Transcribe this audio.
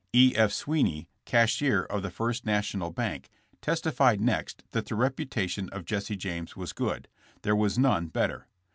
E. F. Swinney, cashier of the first National bank, testified next that the reputation of Jesse James was good; there was none better.